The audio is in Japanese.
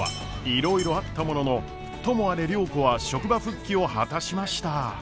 いろいろあったもののともあれ良子は職場復帰を果たしました。